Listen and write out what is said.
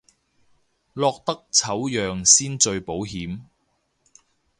落得醜樣先最保險